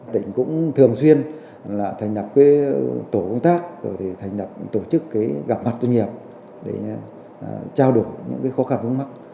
tỉnh cũng thường xuyên thành lập tổ công tác rồi thành lập tổ chức gặp mặt doanh nghiệp để trao đổi những khó khăn vướng mắt